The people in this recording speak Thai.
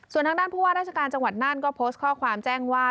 ส่วนทางด้านผู้ว่าราชการจังหวัดน่านก็โพสต์ข้อความแจ้งว่า